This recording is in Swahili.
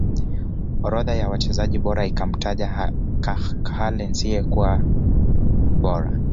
orodha ya wachezaji bora ikamtaja KarlHeinze kuwa bora